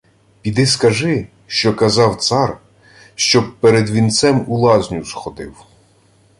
Піди скажи, що казав цар, щоб перед вінцем у лазню сходив.